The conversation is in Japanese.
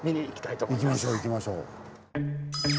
行きましょう行きましょう。